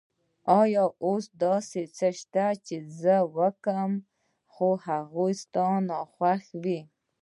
آیا اوس داسې څه شته چې زه یې کوم او هغه ستا ناخوښه وي؟